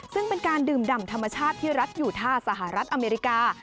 ซึ่งเป็นการดื่มดำธรรมชาติที่รัฐอยู่ท่าสหรัฐอเมริกา